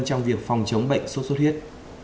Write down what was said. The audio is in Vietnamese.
trong việc phòng chống bệnh xuất xuất huyết